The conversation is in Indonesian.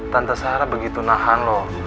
tante sarah begitu nahan loh